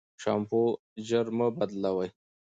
شامپو ژر مه بدلوی.